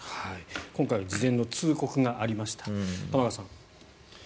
今回事前の通告がありました玉川さん。